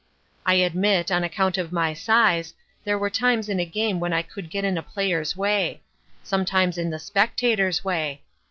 I admit, on account of my size, there were times in a game when I would get in a player's way; sometimes in the spectators' way.